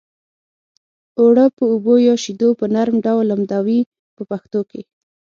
اوړه په اوبو یا شیدو په نرم ډول لمدوي په پښتو کې.